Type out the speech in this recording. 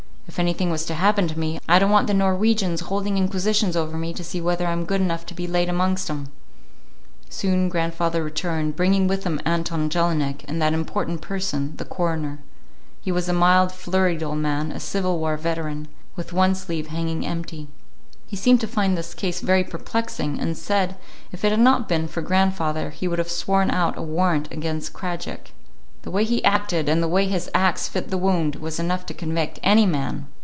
If anything was to happen to me, I don't want the Norwegians holding inquisitions over me to see whether I'm good enough to be laid amongst 'em." Soon grandfather returned, bringing with him Anton Jelinek, and that important person, the coroner. He was a mild, flurried old man, a Civil War veteran, with one sleeve hanging empty. He seemed to find this case very perplexing, and said if it had not been for grandfather he would have sworn out a warrant against Krajiek. "The way he acted, and the way his axe fit the wound, was enough to convict any man."